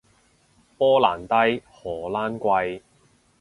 波蘭低，荷蘭貴